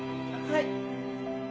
はい。